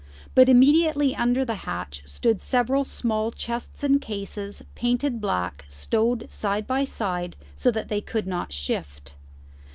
But immediately under the hatch stood several small chests and cases, painted black, stowed side by side so that they could not shift.